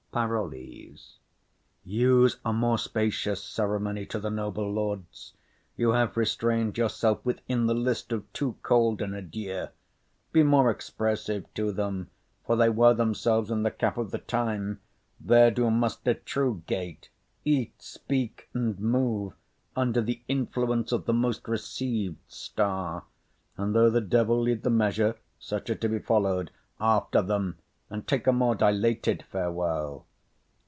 PAROLLES. Use a more spacious ceremony to the noble lords; you have restrain'd yourself within the list of too cold an adieu. Be more expressive to them; for they wear themselves in the cap of the time; there do muster true gait; eat, speak, and move, under the influence of the most receiv'd star; and though the devil lead the measure, such are to be followed. After them, and take a more dilated farewell.